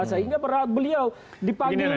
sehingga beliau dipanggil